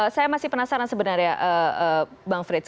saya masih penasaran sebenarnya bang frits